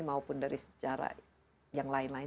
maupun dari sejarah yang lain lain